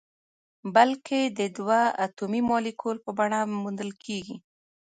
بلکې د دوه اتومي مالیکول په بڼه موندل کیږي.